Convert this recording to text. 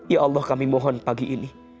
ya allah kami mohon pagi ini